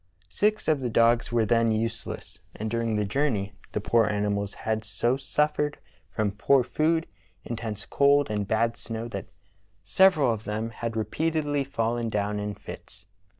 Six of the dogs were then useless, and during the journey the poor animals had so suffered from poor food, intense cold, and bad snow that several of them had repeatedly fallen down in fits.